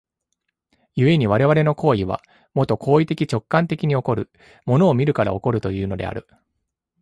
故に我々の行為は、もと行為的直観的に起こる、物を見るから起こるというのである。